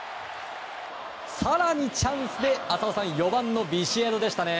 更に、チャンスで４番のビシエドでしたね。